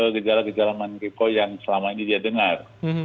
gejala gejala mantripo yang selama ini dia dengar